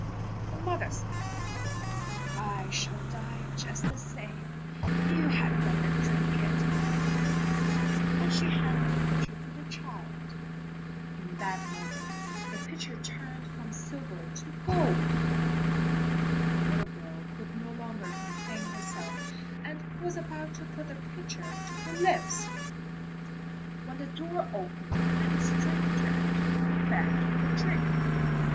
The mother said, "I shall die just the same; you had better drink it," and she handed the pitcher to the child. In that moment the pitcher turned from silver to gold. The little girl could no longer contain herself and was about to put the pitcher to her lips, when the door opened and a stranger entered who begged for a drink.